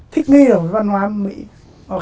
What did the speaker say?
thích nghĩa về văn hóa mỹ